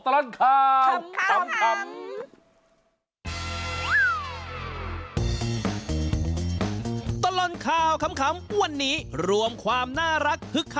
ตลอดข่าวขำ